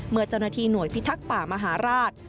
เมื่อเจ้าหน้าที่หน่วยพิทักษ์ป่ามหาราช